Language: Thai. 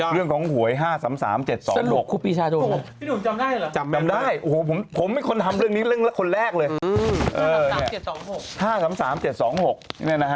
เรื่องของหวย๕๓๓๗๒๖พี่หนุ่มจำได้เหรอจำได้ผมเป็นคนทำเรื่องนี้คนแรกเลย